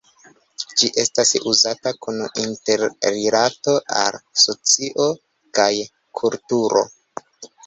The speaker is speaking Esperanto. Ĝi estas uzata kun interrilato al socio kaj kulturo.